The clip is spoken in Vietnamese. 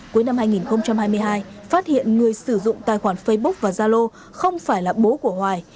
cuối năm hai nghìn hai mươi hai phát hiện người sử dụng tài khoản facebook và zalo không phải là bố của hoài